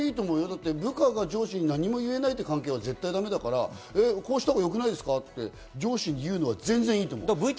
部下が上司に何も言えないっていう関係は絶対だめだから、こうしたほうが良くないですか？と上司に言うのはいいと思う。